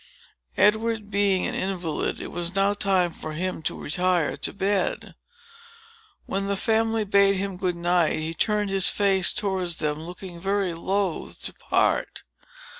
Edward being an invalid, it was now time for him to retire to bed. When the family bade him good night, he turned his face towards them, looking very loth to part.